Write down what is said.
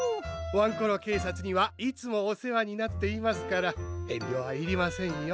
ワンコロけいさつにはいつもおせわになっていますからえんりょはいりませんよ。